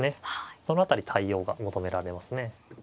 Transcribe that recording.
その辺り対応が求められますね。